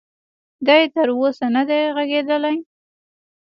دې تر اوسه ندی ږغېدلی.